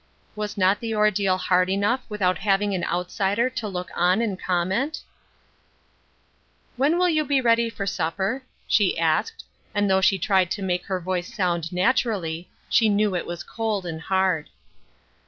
Was not the ordeal hard enough without having an outsider to look on and comment ? "When will you be ready for supper?" she asked, and, though she tried to make her voice sound naturally, she knew it was cold and hard.